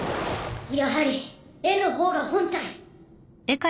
やはり絵の方が本体？